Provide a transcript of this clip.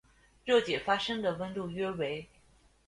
热解发生的温度约为。